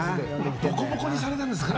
ボコボコにされたんですから。